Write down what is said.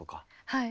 はい。